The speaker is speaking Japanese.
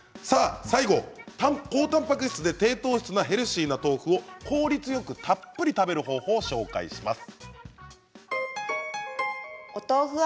最後は、高たんぱく質で低糖質なヘルシーな豆腐を効率よくたっぷり食べる方法を紹介します。